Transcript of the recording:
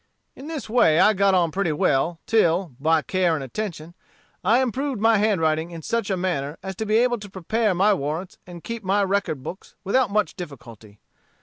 "In this way I got on pretty well, till, by care and attention, I improved my handwriting in such a manner as to be able to prepare my warrants and keep my record books without much difficulty.